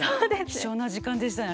貴重な時間でしたね。